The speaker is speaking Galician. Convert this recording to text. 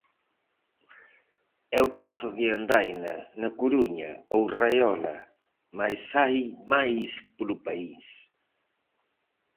É o caso de "Andaina" na Coruña ou "Raiola" mais hai máis polo país.